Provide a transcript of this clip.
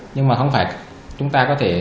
nhưng mà không phải chúng ta có thể